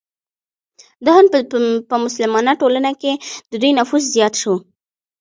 د هند په مسلمانه ټولنه کې د دوی نفوذ زیات شو.